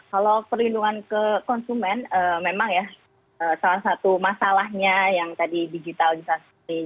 kalau perlindungan ke konsumen memang ya salah satu masalahnya yang tadi digitalisasi